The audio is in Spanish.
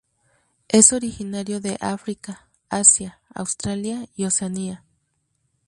Es originario de África, Asia, Australia y Oceanía.